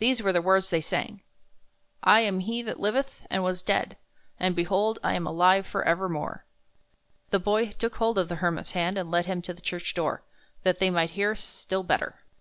These were the words they sang: "7 am He that liveth, and was dead ; and, behold, I am alive for evermore !" The Boy took hold of the Hermit's hand and led him to the church door, that they might hear still better.